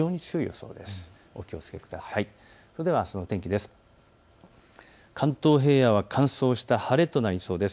それではあすの天気です。